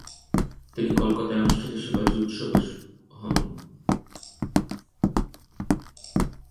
তিনি কলকাতায় অনুষ্ঠিত "শিবাজী উৎসবে" হন।